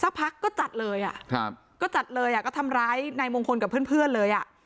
พักก็จัดเลยอ่ะครับก็จัดเลยอ่ะก็ทำร้ายนายมงคลกับเพื่อนเลยอ่ะ